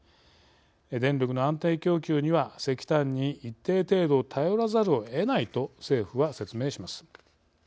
「電力の安定供給には石炭に一定程度頼らざるをえない」と政府は説明します。